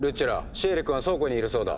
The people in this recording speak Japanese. シエリ君は倉庫にいるそうだ！